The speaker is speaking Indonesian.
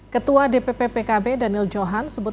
ketua dpp pkb daniel johan sebut